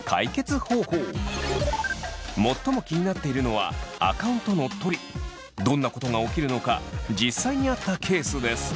最も気になっているのはどんなことが起きるのか実際にあったケースです。